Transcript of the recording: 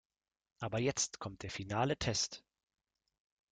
Aber jetzt kommt der finale Test.